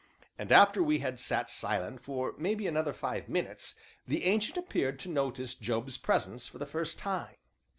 And after we had sat silent for maybe another five minutes, the Ancient appeared to notice Job's presence for the first time.